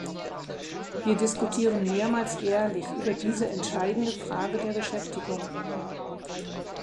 Wir diskutieren mehrmals jährlich über diese entscheidende Frage der Beschäftigung.